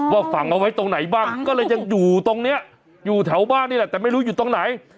ว่าฝังเอาไว้ตรงไหนบ้างก็เลยยังอยู่ตรงนี้อยู่แถวบ้านนี่แหละแต่ไม่รู้อยู่ตรงไหน